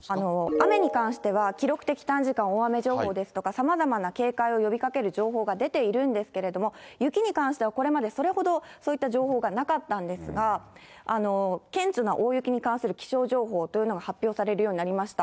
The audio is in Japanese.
雨に関しては、記録的短時間大雨情報ですとか、さまざまな警戒を呼びかける情報が出ているんですけれども、雪に関してはこれまで、それほど、そういった情報がなかったんですが、顕著な大雪に関する気象情報というのが発表されるようになりました。